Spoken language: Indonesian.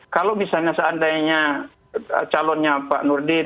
kalau misalnya seandainya calonnya pak nurdin